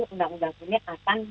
undang undang ini akan